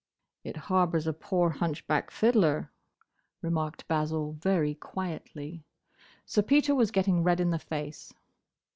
"It harbours a poor, hunchback fiddler," remarked Basil, very quietly. Sir Peter was getting red in the face.